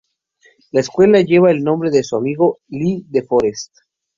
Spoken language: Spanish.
La Escuela lleva el nombre de su amigo Lee DeForest.